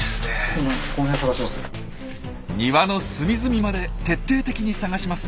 庭の隅々まで徹底的に探します。